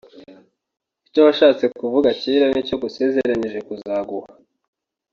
icyo washatse kuva kera nicyo ngusezeranyije kuzaguha